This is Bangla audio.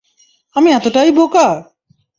আমি এতটাই বোকা!